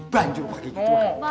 banjur pake gitu